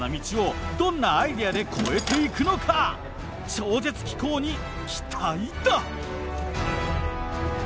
超絶機巧に期待だ！